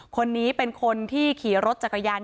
คนนี้เป็นคนที่ขี่รถจักรยาน